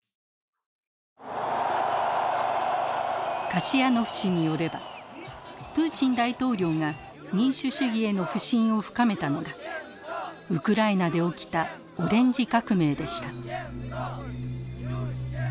カシヤノフ氏によればプーチン大統領が民主主義への不信を深めたのがウクライナで起きたオレンジ革命でした。